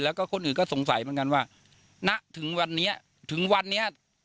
แล้วก็คนอื่นก็สงสัยเหมือนกันว่าณถึงวันนี้ถึงวันนี้